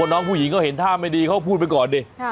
น้องผู้หญิงเขาเห็นท่าไม่ดีเขาพูดไปก่อนดิ